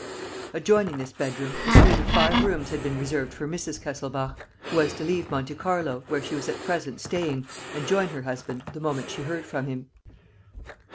Adjoining this bedroom, a suite of five rooms had been reserved for Mrs. Kesselbach, who was to leave Monte Carlo, where she was at present staying, and join her husband the moment she heard from him.